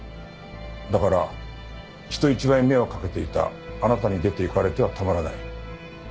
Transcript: だから人一倍目をかけていたあなたに出ていかれてはたまらない。